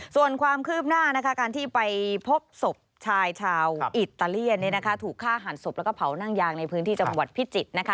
ส่วนความคืบหน้าการที่ไปพบศพชายชาวอิตาเลียนถูกฆ่าหันศพแล้วก็เผานั่งยางในพื้นที่จังหวัดพิจิตร